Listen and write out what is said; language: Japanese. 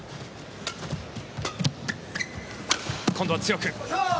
今度は強く。